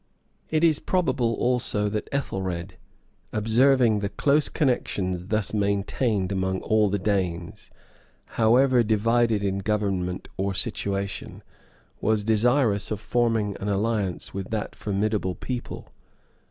It is probable, also, that Ethelred, observing the close connections thus maintained among all the Danes, however divided in government or situation, was desirous of forming an alliance with that formidable people.